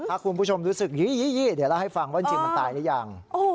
ถ้าคุณผู้ชมรู้สึกยี่เดี๋ยวเล่าให้ฟังว่าจริงมันตายหรือยัง